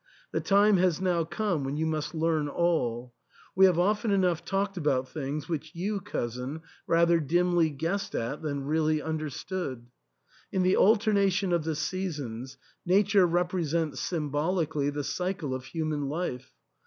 The time has now come when you must learn alL We have often enough talked about things which you, cousin, rather dimly guessed at than really understood. In the alternation of the seasons nature represents symbolically the cycle of human life.